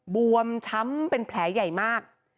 บวมช้ำเป็นแผลใหญ่มาก